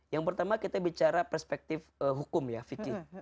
yang pertama kita bicara perspektif hukum ya fikih